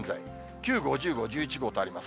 ９号、１０号、１１号とあります。